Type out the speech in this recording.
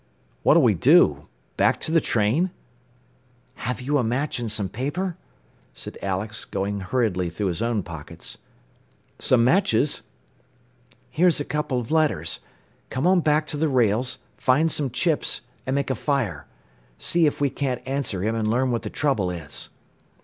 "What'll we do? Back to the train?" "Have you a match and some paper?" said Alex, going hurriedly through his own pockets. "Some matches." "Here's a couple of letters. Come on back to the rails, find some chips, and make a fire. See if we can't answer him, and learn what the trouble is."